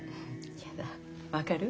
やだ分かる？